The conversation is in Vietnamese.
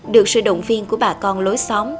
được sự động viên của bà con lối xóm